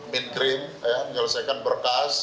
mid crime menyelesaikan berkas